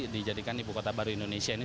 dijadikan ibu kota baru indonesia ini